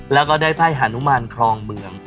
แล้วก็ได้ไพ่หานุมานคลองเมือง